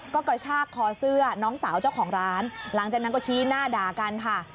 ก็กระชากคอเสื้อน้องสาวเจ้าของร้านหลังจากนั้นก็ชี้หน้าด่ากันค่ะ